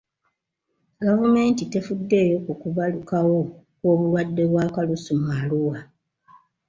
Gavumenti tefuddeeyo ku kubalukawo kw'obulwadde bwa kalusu mu Arua.